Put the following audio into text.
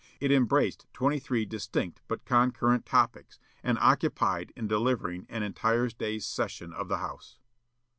It embraced twenty three distinct but concurrent topics, and occupied in delivering an entire day's session of the House."